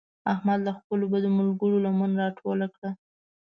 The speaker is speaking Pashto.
احمد له خپلو بدو ملګرو لمن راټوله کړه.